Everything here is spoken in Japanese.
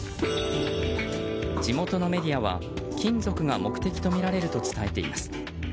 地元のメディアは金属が目的とみられると伝えています。